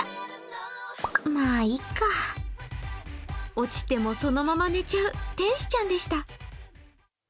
落ちてもそのまま寝ちゃう天使ちゃんでした。